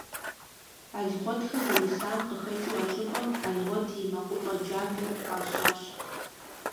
Алгъуэтхэ зэрисам къыхэкӏыу, а щӏыпӏэм «Алгъуэт и мэкъупӏэ джабэ» фӏащащ.